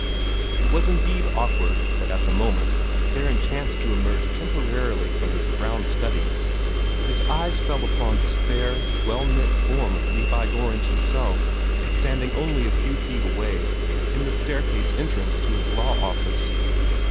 It was indeed awkward that at the moment, as Theron chanced to emerge temporarily from his brown study, his eyes fell full upon the spare, well knit form of Levi Gorringe himself, standing only a few feet away, in the staircase entrance to his law office.